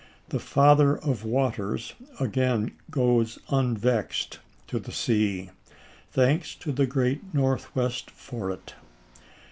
The Father of Waters again goes un vexed to the sea. Thanks to the great Northwest for it.